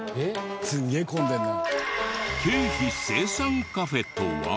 すげえ混んでるな。